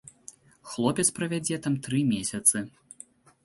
Хлопец правядзе там тры месяцы.